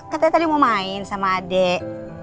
katanya tadi mau main sama adik